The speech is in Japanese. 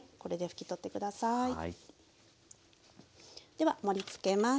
では盛りつけます。